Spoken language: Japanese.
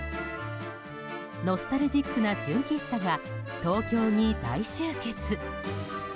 ノスタルジックな純喫茶が東京に大集結。